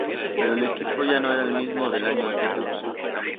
Pero el equipo ya no era el mismo del año anterior.